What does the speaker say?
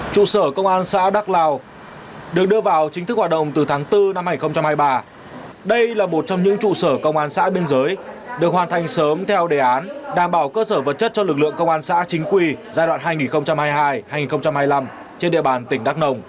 trụ sở công an xã đắk lao được đưa vào chính thức hoạt động từ tháng bốn năm hai nghìn hai mươi ba đây là một trong những trụ sở công an xã biên giới được hoàn thành sớm theo đề án đảm bảo cơ sở vật chất cho lực lượng công an xã chính quy giai đoạn hai nghìn hai mươi hai hai nghìn hai mươi năm trên địa bàn tỉnh đắk nông